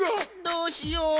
「どうしよう」。